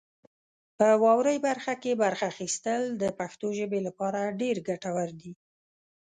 په واورئ برخه کې برخه اخیستل د پښتو ژبې لپاره ډېر ګټور دي.